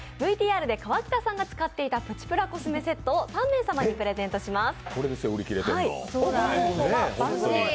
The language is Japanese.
ＶＴＲで河北さんが使っていたプチプラコスメを３名様にプレゼントします。